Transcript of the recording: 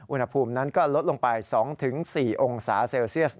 อุณหภูมินั้นก็ลดลงไป๒๔องศาเซลเซียส